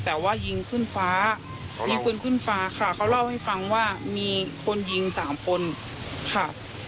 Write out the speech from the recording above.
แต่ว่ายิงขึ้นฟ้ายิงปืนขึ้นฟ้าค่ะเขาเล่าให้ฟังว่ามีคนยิงสามคนค่ะ